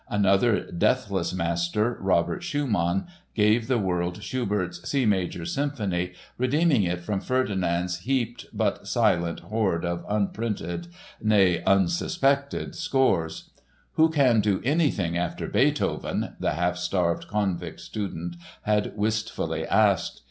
Another deathless master, Robert Schumann, gave the world Schubert's C major Symphony, redeeming it from Ferdinand's heaped but silent hoard of unprinted, nay, unsuspected scores. "Who can do anything after Beethoven?" the half starved Konvikt student had wistfully asked.